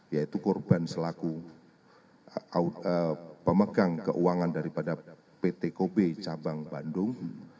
yaitu korban selaku pemegang keuangan daripada pt kobe cabang bandung